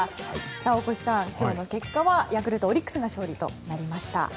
大越さん、今日の結果はヤクルト、オリックスが勝利となりました。